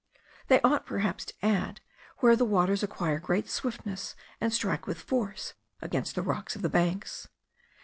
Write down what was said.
They ought, perhaps, to add, where the waters acquire great swiftness, and strike with force against the rocks of the banks.